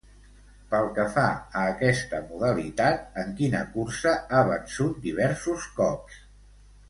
Pel que fa a aquesta modalitat, en quina cursa ha vençut diversos cops?